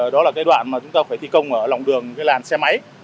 đó là cái đoạn mà chúng tôi phải thi công ở lòng đường làn xe máy